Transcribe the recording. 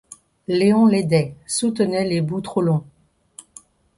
Léon l’aidait, soutenait les bouts trop longs.